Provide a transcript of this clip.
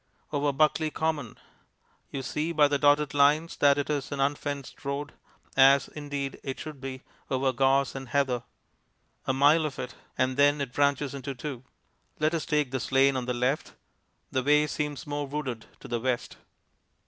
Over Buckley Common. You see by the dotted lines that it is an unfenced road, as, indeed, it should be over gorse and heather. A mile of it, and then it branches into two. Let us take this lane on the left; the way seems more wooded to the west.